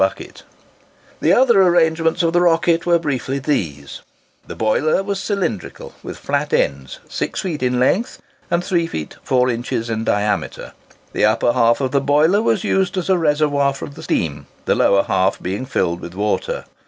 [Picture: The "Rocket"] The other arrangements of the "Rocket" were briefly these:—the boiler was cylindrical with flat ends, 6 feet in length, and 3 feet 4 inches in diameter. The upper half of the boiler was used as a reservoir for the steam, the lower half being filled with water.